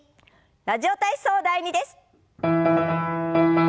「ラジオ体操第２」です。